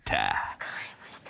捕まりました。